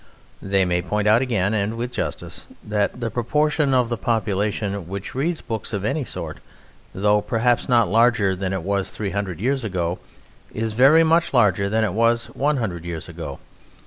They may point out again, and with justice, that the proportion of the population which reads books of any sort, though perhaps not larger than it was three hundred years ago, is very much larger than it was one hundred years ago.